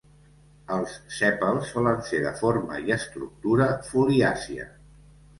Els sèpals solen ser de forma i estructura foliàcia.